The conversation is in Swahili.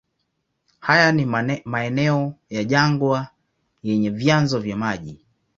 Haya ni maeneo ya jangwa yenye vyanzo vya maji.